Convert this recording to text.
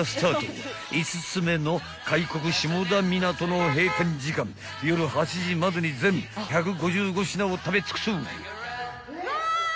［５つ目の開国下田みなとの閉店時間夜８時までに全１５５品を食べ尽くす］